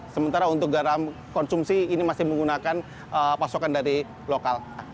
sementara untuk garam konsumsi ini masih menggunakan pasokan dari lokal